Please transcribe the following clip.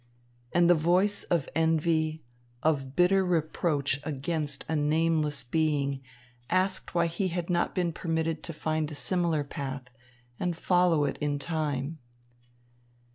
And the voice of envy, of bitter reproach against a nameless being asked why he had not been permitted to find a similar path and follow it in time.